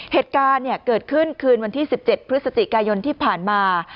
เหตุการณ์เกิดขึ้นคืนวันที่๑๗พฤศจิกายนที่ผ่านมา